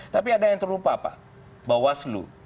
tapi ada yang terlupa pak bawaslu